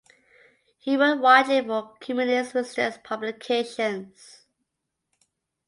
He wrote widely for communist resistance publications.